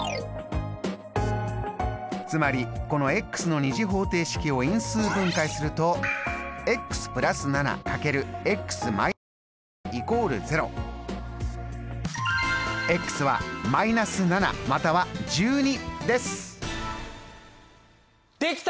つまりこのの２次方程式を因数分解するとできた！